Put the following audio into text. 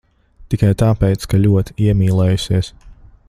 Tikai tāpēc, ka ļoti iemīlējusies.